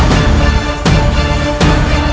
tidak ada apa apa